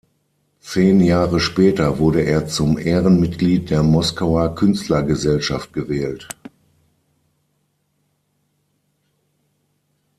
Zehn Jahre später wurde er zum Ehrenmitglied der "Moskauer Künstlergesellschaft" gewählt.